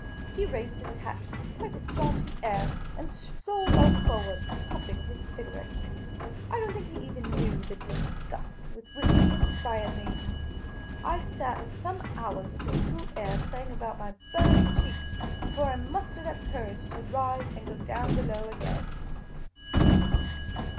He raised his hat with quite a jaunty air and strolled oif forward, puffing his cigarette, I don't think he even knew the disgust with which he inspired me. I sat some hours with the cool air playing about mj'^ burn ing cheeks before I mustered up courage to rise and go down below again.